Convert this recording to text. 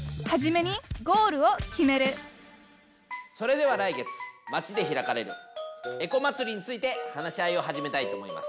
それでは来月町で開かれるエコまつりについて話し合いを始めたいと思います。